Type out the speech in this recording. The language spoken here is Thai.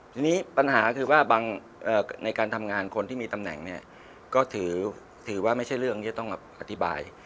ทีนี้ปัญหาคือว่าบางในการทำงานคนที่มีตำแหน่งเนี่ยก็ถือว่าไม่ใช่เรื่องที่จะต้องอธิบาย